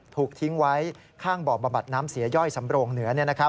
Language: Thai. ถูกทิ้งไว้ข้างบ่อบำบัดน้ำเสียย่อยสำโรงเหนือ